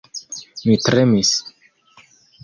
Mi tremis.